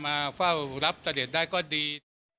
มาเฝ้ารับเสด็จได้ก็ดี